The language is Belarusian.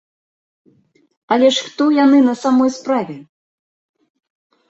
Але ж хто яны на самой справе?